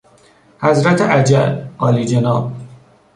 حضرت اجل، عالیجناب